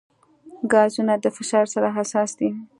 ګازونه د فشار سره حساس دي.